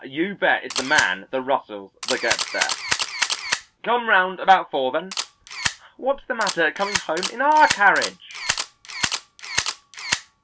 "Ah, you bet it's the man that rustles that gets there." "Come round about four, then." "What's the matter with coming home in our carriage?"